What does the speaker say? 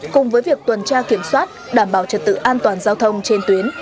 cùng với việc tuần tra kiểm soát đảm bảo trật tự an toàn giao thông trên tuyến